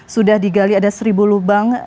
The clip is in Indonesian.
sudah digali ada seribu lubang